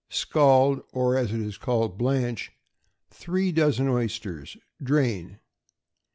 Scald (or, as it is called, blanch) three dozen oysters; drain.